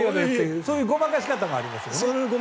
そういうごまかしもあります。